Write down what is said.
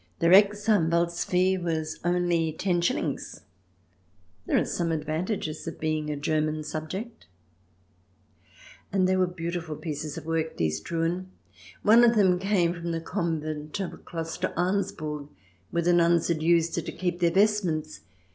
The Rechtsanwalt's fee was only ten shillings. There are some advantages of being a German subject. And they were beautiful pieces of work, these Truhen. One of them came from the convent of Kloster Arnsburg, where the nuns had used it to keep their vestments.